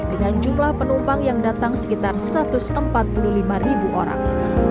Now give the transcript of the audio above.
dengan jumlah penumpang yang datang sekitar satu ratus empat puluh lima ribu orang